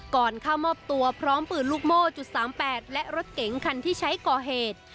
ก่อนเข้ามอบตัวพร้อมปืนลูกโม่จุด๓๘และรถเก๋งคันที่ใช้ก่อเหตุ